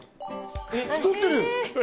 太ってる！